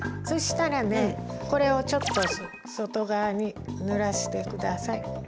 そしたらねこれをちょっと外側にぬらしてください。